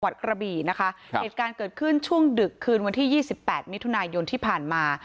วัดกระบีนะคะเหตุการณ์เกิดขึ้นช่วงดึกคืนวันที่๒๘มิถุนายนที่ผ่านมา